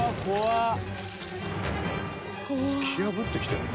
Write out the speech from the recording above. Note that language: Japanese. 「突き破ってきてるの？」